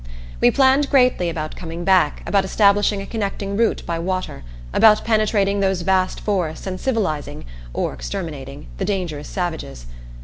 We planned greatly about coming back, about establishing a connecting route by water; about penetrating those vast forests and civilizing or exterminating the dangerous savages.